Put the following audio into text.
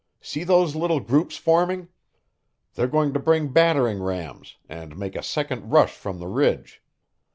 See those little groups forming? They're going to bring battering rams, and make a second rush from the ridge."